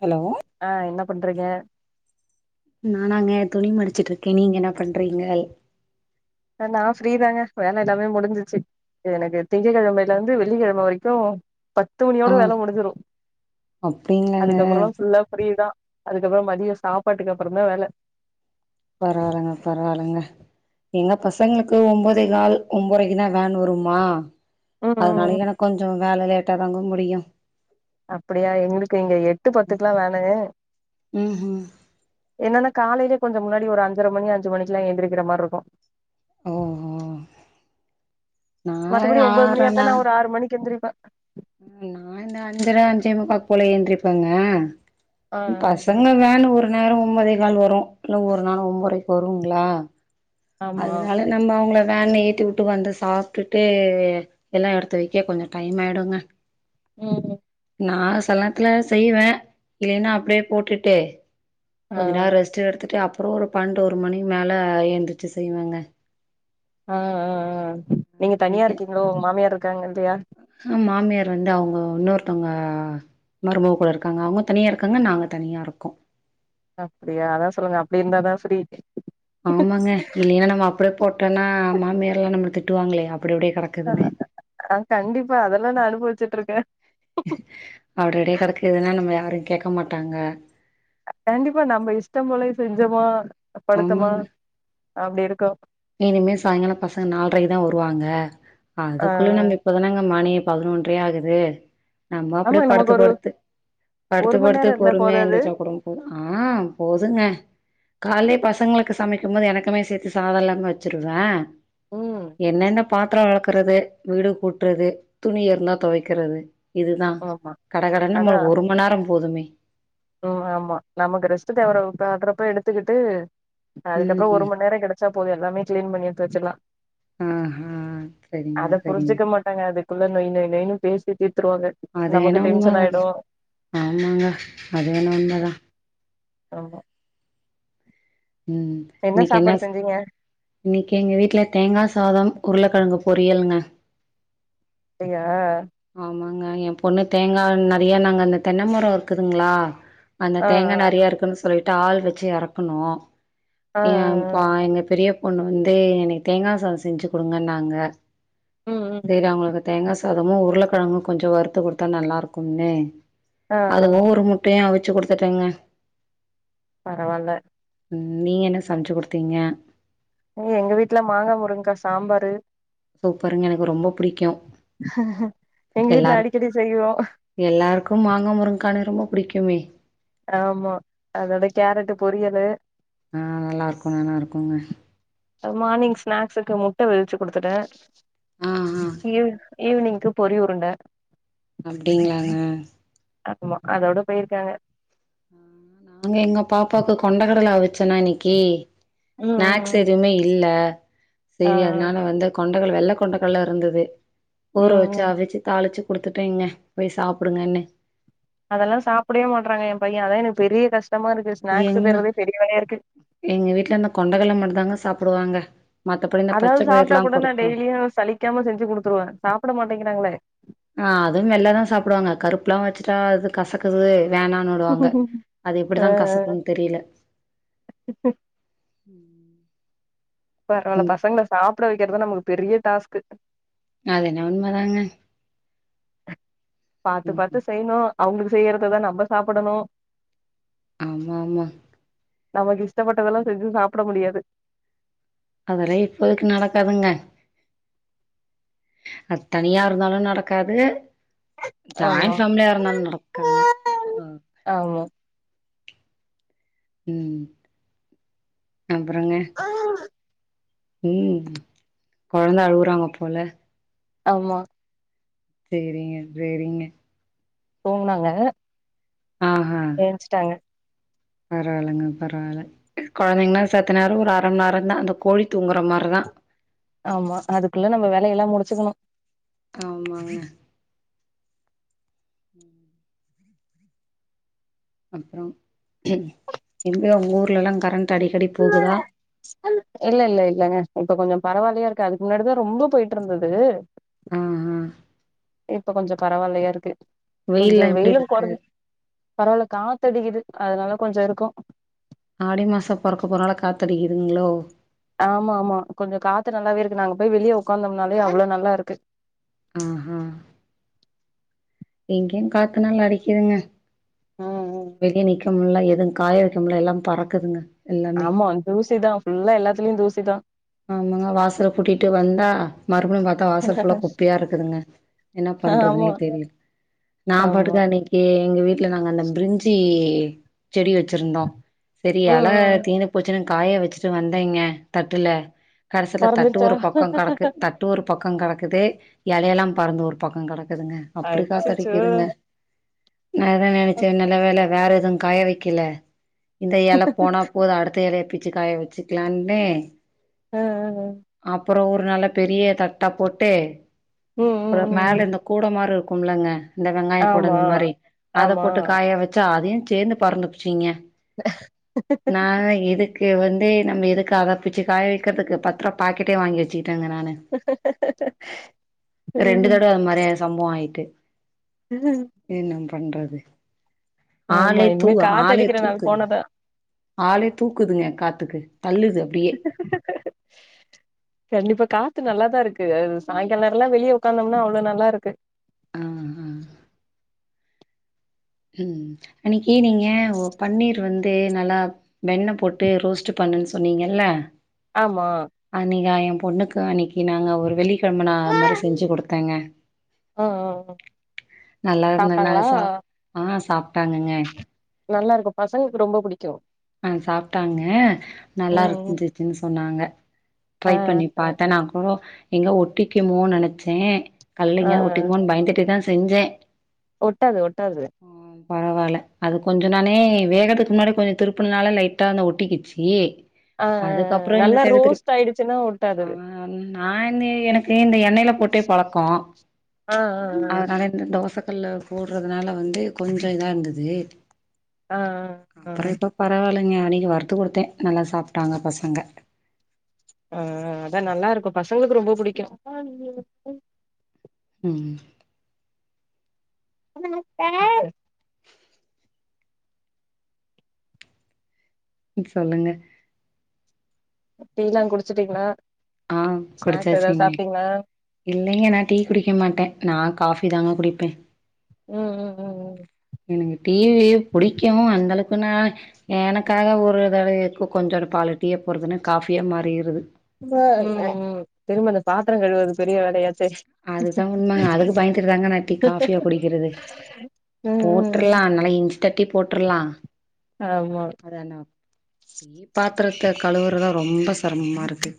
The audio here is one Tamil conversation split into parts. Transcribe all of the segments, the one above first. ஹலோ ஆ என்ன பண்றீங்க நா நாங்கெ துணி மடிச்சிட்ருக்கே நீங்க என்ன பண்றீங்கள் நா ஃப்ரீதாங்க வேலல்லாமே முடிஞ்சிச்சு எனக்கு திங்ககெழமைய்லர்ந்து வெள்ளிக்கெழம வரக்கு பத் பத்து மணியோட ஆ வேல முடிஞ்சுரு அப்டிங்களாங்க அதுக்கப்பறமா ஃபுல்லா ஃப்ரீ தா அதுக்கப்பறோ மதியொ சாப்பாட்டுக்கப்பறொ தா வேல பரவால்லங்க பரவால்லங்க எங்க பசங்களுக்கு ஒம்போதே கால் ஒம்போத்ரக்குனா வேன் வருமா ம் ம் அதனால ம் எனக்கு கொஞ்ச வேல லேட்டா தாங்க முடியு அப்படியா எங்களுக்கு இங்க எட்டு பத்துக்கெல்லா வேணு ம் ம் என்னன்னா காலைலயே கொஞ்ச முன்னாடி ஒரு அஞ்சரை மணி அஞ்சுமணிக்கெல்லா ஏந்திரிக்கிற மார்ருக்கு ஓஹோ நா மத்தபடி ஒம்போது மணியார்ந்தா ஆறனா நா ஒரு ஆறு மணிக்கு எந்திரிப்ப நா இந்த அஞ்சர அஞ்சே முக்காக்கு போல ஏந்திரிப்பேங்க ஆ ஆ ஆ பசங்க வேன்னு ஒரு நேரோ ஒம்போதே கால் வரு இல்ல ஒரு நாள் ஒம்போரைக்கு வருங்ளா ஆமா அதனால நம்ம அவங்கள வேன்ல ஏத்தி வுட்டு வந்து சாப்டுட்டு எல்லா எடுத்து வெக்க கொஞ்ச டைம் ஆய்டுங்க உம் ம் நா சில நேர்த்துல செய்வ இல்லன்னா அப்டியே போட்டுட்டு ஆ கொஞ்ச நேரம் ரெஸ்ட் எடுத்துட்டு அப்புறம் ஒரு பன்னெண்டு ஒரு மணி மேல ஏந்திரிச்சு செய்வங்க ஆ ம் ம் நீங்க தனியா இருக்கீங்ளோ உங்க மாமியார் இருக்காங்ளா இல்லையா என் மாமியார் வந்து அவங்க இன்னொருத்தவ்ங்க மருமக கூட இருக்காங்க அவங்க தனியா இருக்காங்க நாங்க தனியா இருக்கோ அப்படியா அதா சொல்லுங்க அப்டி இருந்தாதா சரி ஆமாங்க இல்லைன்னா நம்ம அப்படியே போட்டோம்னா மாமியாரே நம்ள திட்டுவாங்களே அப்டி அப்டியே கடக் அ கண்டிப்பா அதெல்லா நா அனுபவிச்சிட்ருக்கே அப்டி அப்டே கெடக்குதுன்னா நம்ம யாரும் கேக்க மாட்டாங்க கண்டிப்பா நம்ப இஷ்டம் போல செஞ்சோமா படுத்தமா ஆமாங்க அப்டி இருக்கோ இனிமே சாய்ங்காலம் பசங்க நால்ரைக்கு தா வருவாங்க ஆ அதுக்குள்யே நம்ப இப்ப தானங்க மணி பதினொன்ரயே ஆகுது நம்ம ஆமா அப்டியே நமக்கு படுத்து ஒரு படுத்து படுத்து ஒரு மண் படுத்து நேரோ இருந்தா பொறுமையா போதாது எந்திர்ச்சா கூட ஆ போதுங்க காய்லே பசங்களுக்கு சமைக்கும் போது எனக்குமே சேத்து சாதம்லா வெச்சிருவ ம் என்னன்ன பாத்ரம் வெலக்கறது வீடு கூட்றது துணி இருந்தா தொவைக்கிறது இதுதா ஆமா கடகடன்னு அதா நம்மளுக் ஒரு மண் நேரம் போதுமே ம் ஆமா நமக்கு ரெஸ்ட்டு தேவறப் அப்பரப்ப எடுத்துக்கிட்டு ம் அதுக்கப்றோ ஒரு ம் மண் நேரம் கெடச்சா போதும் எல்லாமே க்ளீன் பண்ணி எடுத்து வெச்சிலா ம் ம் சரி அத புரிஞ்சுக்க மாட்டாங்க அதுக்குள்ள நொய் நொய் நொய்யுனு பேசி தீத்துருவாங்க அது நமக்கு ஏனோ உண்ம டென்ஷன் தாங்க ஆயிடு ஆமாங்க அது ஏனோ உண்மதா ஆமா ம் இன்னைக்கு என்ன சாப்பாடு செஞ்சீங்க இன்னைக்கு எங்க வீட்ல தேங்கா சாதம் உருளக்கெழங்கு பொரியலுங்க அப்டியா ஆமாங்க என் பொண்ணு தேங்கா நெறைய நாங்க அந்த தென்ன மரோ இருக்குதுங்ளா அங்க ஆ தேங்கா நெறைய இருக்குன்னு சொல்லிட்டு ஆள் வெச்சு எறக்குணோ ஆ ஆ ஆ ஏம்ப்பா ஆ. எங்க பெரிய பொண்ணு வந்து எனக்கு தேங்கா சாதம் செஞ்சு குடுங்கன்னாங்க ம் ம் செரி அவங்களுக்கு தேங்காசாதமு உருளக்கெழங்கும் கொஞ்சம் வறுத்து குடுத்தா நல்லா இருக்கும்னு ஆ ஆ. அதுவும் ஒரு முட் டையு அவிச்சு குடுத்துட்டேங்க பரவால்ல ம் நீங்க என்ன சமச்சு குடுத்தீங்க ம் எங்க வீட்ல மாங்கா முருங்க்கா சாம்பாரு சூப்பருங்க எனக்கு ரொம்ப புடிக்கு எங்க வீட்ல அடிக்கடி செய்வோ எல்லாருக்கும் மாங்கா முருங்க்கான ரொம்ப புடிக்குமே ஆமா அதோட கேரட்டு பொரியலு ஆ நல்லா இருக்கும் நல்லாருக்குங்க அது மார்னிங் ஸ்நாக்ஸுக்கு முட்ட வெவ்ச்சி குடுத்துட்ட ஆ ஆ ஈவ் ஈவ்னிங்க்கு பொரி உருண்ட அப்டிங்ளாங்க ஆமா அதோட போயிருக்காங்க அங்க எங்க பாப்பாவுக்கு கொண்ட கடல அவிச்சனா இன்னைக்கி ம் ஸ்நாக்ஸ் ம் ம் எதுமே இல்ல ஆ செரி அதனால வந்து கொண்டக்கடல வெள்ள கொண்டக்கடல இருந்தது ஊற ம் வச்சு ம் அவிச்சு தாளிச்சு குடுத்துட்டேங்க போய் சாப்டுங்கன்னு அதெல்லா சாப்பிடவே மாட்றாங்க எ பையே அதா எனக்கு பெரிய கஷ்டமா இருக்கு ஸ்நாக்ஸ் எங்க தேடுறதே பெரிய வேலையா இருக்கு எங்க வீட்ல அந்த கொண்டக்கடல மட்டு தாங்க சாப்டுவாங்க மத்தபடி இந்த பச்ச அதாவது சாப்ட்டா பயிர்லா கூட நா குடுத்தோ டெய்லியு சலிக்காம செஞ்சு குடுத்துருவே. சாப்பிட மாட்டேங்கிறாங்களே ஆ அதும் வெள்ள தா சாப்பிடுவாங்க கருப்புலா வச்சுட்டா அது கசக்குது வேணானு டுவாங்க அது எப்டிதா கசக்குனு தெரியல ம்ஹ்ம் ம்ம்ம் பரவால்ல பசங்கள சாப்பிட வக்கிறது நமக்கு பெரிய டாஸ்க்கு அது என்ன உண்ம தாங்க பாத்து ம் பாத்து செய்யணு அவுங்களுக்கு செய்றதுதா நம்ம சாப்பிடணு ஆமாமா நமக்கு இஷ்டப்பட்டதெல்லா செஞ்சு சாப்ட முடியாது அதெல்லா இப்போதைக்கு நடக்காதுங்க அது தனியா இருந்தாலு நடக்காது ஜாயின் ஆமா ஃபேமிலியா இருந்தாலு நடக்காதுங்க கா ஆமா ம் அப்பறோங்க ம் கொழந்த அழுவுறாங்க போல ஆம்மா சேரிங்க சேரிங்க தூங்குனாங்க ஆ ஹா எஞ்ச்சுட்டாங்க பரவால்லங்க பரவால்ல கொழந்தைங்கன்னா செத்த நேரோ ஒரு அர மண் நேரோதா அந்த கோழி தூங்குற மாரிதா ஆமா அதுக்குள்ள நம்ம வேலையெல்லா முடிச்சுக்கணு ஆமாங்க [inaudible] [unintelligible] அப்றோ எங்க உங்க ஊர்லலா கரண்ட் அடிக்கடி போகுதா இல்ல இல்ல இல்லங்க இப்ப கொஞ்சோ பரவாலையா இருக்கு அதுக்கு முன்னாடிதா ரொம்ப போயிட்டு ருந்தது ஆ ஹா இப்ப கொஞ்சோ பரவால்லையா இருக்கு கொஞ்சோ வெயில்லா எப்டி வெயிலு இருக்கு கொறைஞ் பரவால்ல காத்தடிக்குது அதனால கொஞ்சோ இருக்கு ஆடி மாசோ பொறக்க போனால காத்தடிக்குதுங்களோ ஆமா ஆமா கொஞ்சோ காத்து நல்லாவே இருக்கு நாங்க போய் வெளியே ஒக்காந்தோம்னாலே அவ்ளோ நல்லா இருக்கு ஆ ஹா இங்கேயு காத்து நல்லா அடிக்குதுங்க ம் ம் வெளிய நிக்கமுல்ல எதும் காயவக்கமுல்ல எல்லா பறக்குதுங்க எல்லாமே ஆமா தூசிதா ஃபுல்லா எல்லாத்துலயு தூசிதா ஆமாங்க வாசல கூட்டிட்டு வந்தா மறுபடியு பாத் தா வாசல் ஃபுல்லா குப்பையா இருக்குதுங்க என்ன ஆமா பண்றதுன்னே தெரில நா ஆமா பாட்டுக்க அன்னைக் ஏ எங்க வீட்ல நாங்க அந்த பிரிஞ்சி செடி வச்சிருந்தோ சரி அல ம் ம் தீந்து போச்சுன்னு காய வச்சுட்டு வந்தேங்க தட்டுல கடைசியில தட்டு பறந்துருச்சா ஒரு பக்கம் கடக்கு தட் ட்டு ஒரு பக்கம் கெடக்குது எலையெல்லா பறந்து ஒரு பக்கம் கெடக்குதுங்க அப்டி அச்சச்சோ காத்தடிக்குதுங்க நா அதா நெனச்சே நல்ல வேல வேற எதுவு காய வைக்கில இந்த எல போனா போது அடுத்த எலைய பிச்சு காய வச்சுக்கலான்னு ஆ ஆ ஆ அப்பறோ ஒரு நல்ல பெரிய தட்டா போட்டு ம் ம் அப்பறோ ம் மேல ம் இந்த கூட மாரி இருக்கும் கும்ல்லங்க இந்த வெங்காய கூட ஆமா இந்த மாரி அத ஆமா போட்டு காய வச்சு ச்சா அதையும் சேந்து பறந்து புச்சிங்க ஆ [unintelligible] இதுக்கு வந்து நம்ம எதுக்கு அத பிச்சு காய வைக்கிறதுக்கு பத்துருவா பாக்கெட்டே வாங்கி வச்சுக்கிட்டேங்க நானு ரெண்டு ம் அது தடவ மாரி ஆ சம்பவோ ஆயிட்டு ம் என்ன பண்றது ஆமா ஆலே தூ இனிமே ஆலே காத்தடிக்கிற நாள் தூக்குதுங்க போனதா ஆளே தூக்குதுங்க காத்துக்கு தள்ளுது அப்டியே [unintelligible] கண்டிப்பா காத்து நல்லாதா இருக்கு அது சாயங்கால நேரல்லா வெளிய ஒக்காந்தம்னா அவ்ளோ நல்லா இருக்கு ஆ ஆ ம் அன்னைக்கு நீங்க பன்னீர் வந்து ந்து நல்லா வெண்ண போட்டு ரோஸ்ட்டு பண்ணுன்னு சொன்னீங்கள்ள ஆமா அன்னைக்கு ஆ ஏ பொண்ணுக்கு அன்னைக்கு நாங்க ஒரு வெள்ளிக்கெழம நா அது மாரி செஞ்சு குடுத்தேங்க ஆ ஆ ஆ நல்லா இருந்தனால சாப்ட்டாங்களா சாப் ஆ சாப்ட்டாங்கங்க நல்லா இருக்கு பசங்களுக்கு ரொம்ப புடிக்கு ம் ஆ சாப்ட்டாங்க நல்லா ம் இருக்குன் ச்சுன்னு சொன்னாங்க ஆ ட்ரை பண்ணி பாத்தே நா கூ எங்க ஒட்டிக்குமோனு நெனச்சே கல்லுல ஆ எங்கேயாது ஒட்டிக்குமோன்னு பயந்துட்டே தா செஞ்சே ஒட்டாது ஒட்டாது ம் பரவால்ல அது கொஞ்சோ நானே வேகுறதுக்கு முன்னாடி கொஞ்சோ திருப்புனனால லைட்டா அங்க ஒட்டிக்குச்சு ஆ ஆ ஆ அதுக்கப்பறோ இந்த நல்லா செடுத்துரு ரோஸ்ட் ஆயிடுச்சுன்னா ஆ ஒட்டாது நா இந்த எனக்கு இந்த எண்ணெயில போட் ட்டே பழக்கோ ஆ ஆ ஆ கல்லுல போடுறதுனால வந்து கொஞ்சொ இதா இருந்தது ஆ ஆ ப்பறோ இப்ப பரவால்லேங்க அன்னக்கி வறுத்து குடுத்தே நல்லா சாப்ட்டாங்க பசங்க ஆ அதா நல்லா இருக்கும் பசங்களுக்கு ரொம்ப புடிக்கும் ம் நமஸ்கார் சொல்லுங்க டீல்லா குடிச்சட்டீங்களா ஸ்நாக்ஸ் எதாவது சாப்ட்டீங்களா இல்லங்க நா டீ குடிக்க மாட்டே நா காஃபி தாங்க குடிப்பே ம் ம் ம் எனக்கு டி வி யே புடிக்கும் அந்த அளவுக்கு நா எனக்காக ஒரு தடவ எதுக்கு கொஞ்சோண்டு பால்ல டீய போட்றதுன்னா காஃபியா மாறிருது திரும்ப ம் ம் திரும்ப அந்த பாத்திரம் கழுவுறது பெரிய வேலையாச்சே அது தான் உண்மங்க அதுக்கு பயந்துட்டு தாங்க நா டீ காஃபியா குடிக்கிறது ம் ம் ம் போட்டுர்லாம் நல்லா இஞ்சி தட்டி போட்டுர்லாம் ஆமா டீ பாத்திரத்த கழுவுறது தான் ரொம்ப செரமமா இருக்கு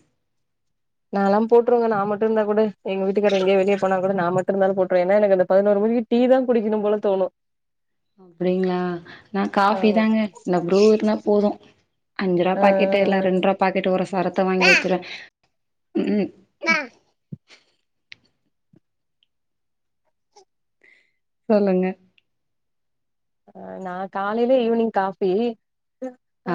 நான்லாம் போட்டுருவேங்க நான் மட்டும் இருந்தாக் கூட எங்க வீட்டுக்காரர் எங்கேயா வெளியே போனாக் கூட நான் மட்டும் இருந்தாலும் போட்டுருவேன் ஏன்னா எனக்கு அந்த பதினோரு மணிக்கு டீ தான் குடிக்கணும் போலத் தோணும் அப்பிடிங்களா நான் காஃபி ஆமா தாங்க இந்த ப்ரூ இருந்தாப் போதும் அஞ்சு ரூவாப் ஆ பாக்கெட்டு இல்ல ரெண்டு ரூவாப் பாக்கெட்டு ஒரு சரத்த வாங்கி வச்சிருவேன் உ உம் ஆ சொல்லுங்க அஹ் நான் காலையிலே ஈவினிங் காஃபி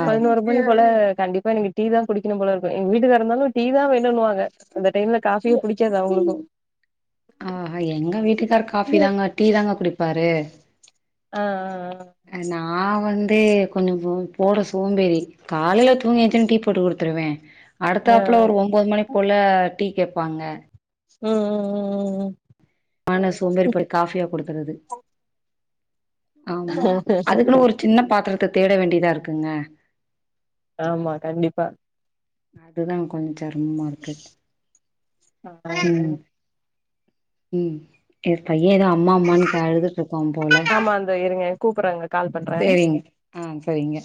ஆ பதினோரு மணிக் போல கண்டிப்பா எனக்கு டீ தான் குடிக்கணும் போல இருக்கும் எங்க வீட்டுக்காரர் இருந்தாலும் டீ தான் வேணும்னுவாங்க அந்த டைம்ல காஃபியும் புடிக்காது அவங்களுக்கும் அ ஹ எங்க வீட்டுக்காரரு காஃபி தாங்க டீ தாங்க குடிப்பாரு அஹ் அஹ் அ அ நான் வந்து கொஞ்சொம் போ போட சோம்பேறி காலையில தூங்கி ஏந்ரிச்சோன்னே டீ போட்டு குடுத்துருவேன் ஆ அடுத்தாப்புல ஆ ஒரு ஒம்போது மணி போல டீ கேப்பாங்க உஹம் உம் உம் உம் உ ஆனா சோம்பேறி படு காஃபியா குடுக்குறது ஆமா அதுக்குன்னு ஒரு சின்ன பாத்திரத்தத் தேட வேண்டியதா இருக்குங்க ஆமா கண்டிப்பா அதுதான் கொஞ்சம் செரமமா இருக்கு உம் உம் எம் பையன் ஏதோ அம்மா அம்மான்னு கா அழுதுட்டு இருக்காம் போல ஆமா அந்த இருங்க கூப்புறாங்க கால் பண்றாங்க சேரிங்க ஆஹ் சரிங்க